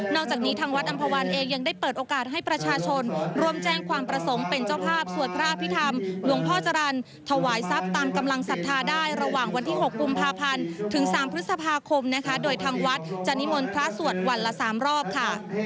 จากนี้ทางวัดอำภาวันเองยังได้เปิดโอกาสให้ประชาชนร่วมแจ้งความประสงค์เป็นเจ้าภาพสวดพระอภิษฐรรมหลวงพ่อจรรย์ถวายทรัพย์ตามกำลังศรัทธาได้ระหว่างวันที่๖กุมภาพันธ์ถึง๓พฤษภาคมนะคะโดยทางวัดจะนิมนต์พระสวดวันละ๓รอบค่ะ